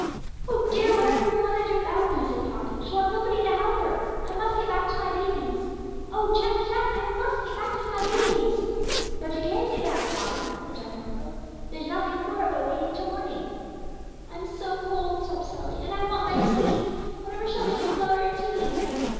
'Oh, dear, whatever will mother do without me!' said Poppy; 'she'll have nobody to help her; I must get back to my babies. Oh, Jack, Jack, I must get back to my babies.' 'But you can't get back, Poppy,' said Jack mournfully; 'there's nothing for it but waiting till morning.' 'I'm so cold,' sobbed Sally, 'and I want my tea; whatever shall we do without our tea?'